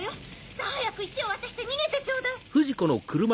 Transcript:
さぁ早く石を渡して逃げてちょうだい！